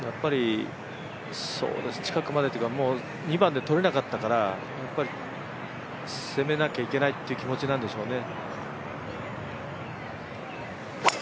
近くまでというか、２番で取れなかったから攻めなきゃいけないという気持ちなんでしょうね。